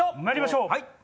まいりましょう！